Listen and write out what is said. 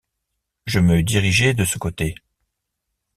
Je me dirigeai de ce côté.